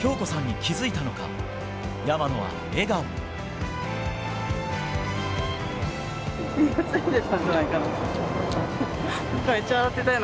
気が付いてたんじゃないかな。